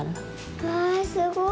わあすごい。